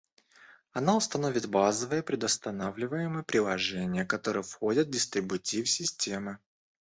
Она установит базовые предустанавливаемые приложения, которые входят в дистрибутив системы